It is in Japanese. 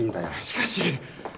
しかし！